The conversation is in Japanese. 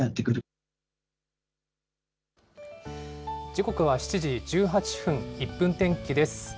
時刻は７時１８分、１分天気です。